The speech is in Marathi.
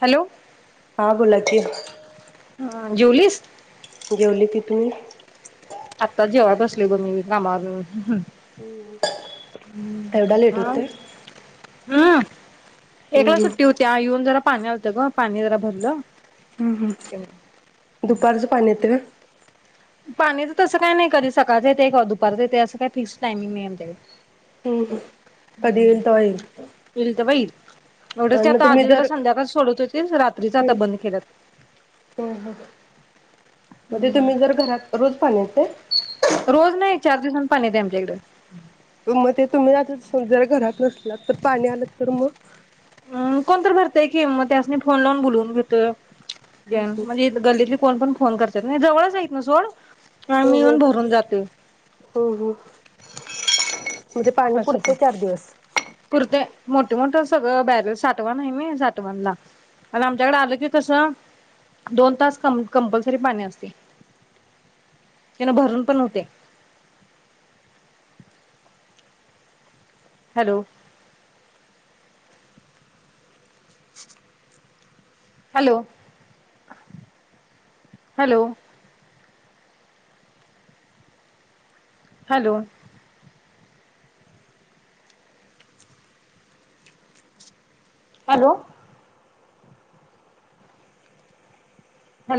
हॅलो हा बोला की हा जेवलीस? जेवली की तु आत्ता जेवाय बसलुय ब मी कामावरन येऊ एवढा लेट होतोय? हा. हम्म एकला हम्म सुट्टी होत्या येऊन जरा पाणी आलत ग, पाणी जरा भरलं. हम्म हम् दुपारचं पाणी येते व्हय? पाणीच तसं काय नाही, कधी सकाळच येतय, कधी दुपारच येतय, असं काय फिक्स टाइमिंग नाही आमच्या इकडे. हम् कधी येईल तवा येईल. येईल तेव्हा येईल एवढंच की आणि मग आता तुम्ही आधी जरा जर हम्म संध्याकाळ सोडत होतीत, रात्रीच आता बंद केल्यात. हम्म हम्म मग तुम्ही जर घरात रोज पाणी येतय? रोज नाही चार दिवसून पाणी येतय आमच्या इकडे. मग ते तुम्ही आता समजा घरात नसला तर पाणी आलं तर मग. अम कोण तर भरतय की, मग त्यासनी फोन लावून बोलवून हम्म म्हणजे गल्लीतली कोण पण फोन करत्यात नाही जवळच आहे हितून सोड. हा हम्म मी हम्म हम्म येऊन भरून जाते. हम्म म्हणजे पाणी पुुरते चार दिवस. कुर्ते मोठे मोठ सगळं बॅरल साठवण आहे नई, साठवणला आणि आमच्याकडे आल कि कस दोन तास कंपल्सरी पाणी असतय त्यामुळे भरून पण होतय. Hello. Hello, hello. Hello. Hello.